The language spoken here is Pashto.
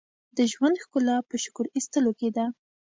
• د ژوند ښکلا په شکر ایستلو کې ده.